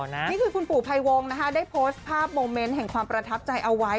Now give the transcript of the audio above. นี่คือคุณปู่ภัยวงนะคะได้โพสต์ภาพโมเมนต์แห่งความประทับใจเอาไว้